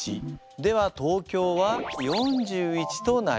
では東京は４１となります。